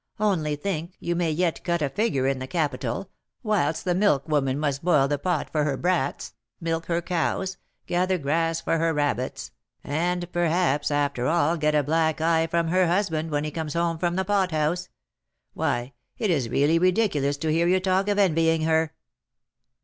Only think, you may yet cut a figure in the capital, whilst the milkwoman must boil the pot for her brats, milk her cows, gather grass for her rabbits, and, perhaps, after all, get a black eye from her husband when he comes home from the pot house. Why, it is really ridiculous to hear you talk of envying her."